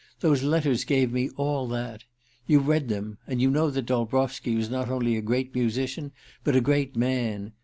Those letters gave me all that. You've read them, and you know that Dolbrowski was not only a great musician but a great man.